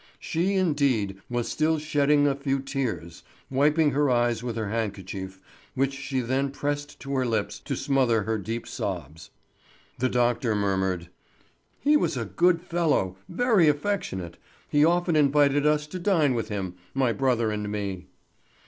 She, indeed, was still shedding a few tears, wiping her eyes with her handkerchief, which she then pressed to her lips to smother her deep sobs. The doctor murmured: "He was a good fellow, very affectionate. He often invited us to dine with him—my brother and me."